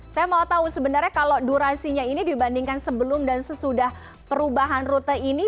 saya mau tahu sebenarnya kalau durasinya ini dibandingkan sebelum dan sesudah perubahan rute ini